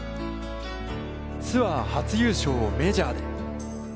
ツアー初優勝をメジャーで。